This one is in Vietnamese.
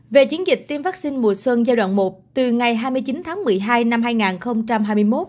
về chiến dịch tiêm vaccine mùa xuân giai đoạn một từ ngày hai mươi chín tháng một mươi hai năm hai nghìn hai mươi một